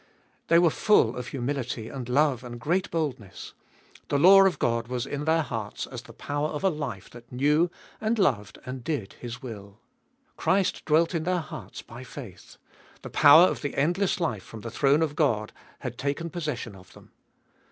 They were full of humility and love and great boldness. The law of God 18 274 Cbe Tboliest of 2UI was in their hearts as the power of a life that knew, and loved, and did His will. Christ dwelt in their hearts by faith. The power of the endless life from the throne of God had taken possession of them.